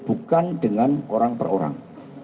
bukan dengan orang per orang